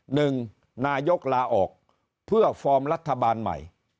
หนึ่งนายกลาออกเพื่อฟอร์มรัฐบาลใหม่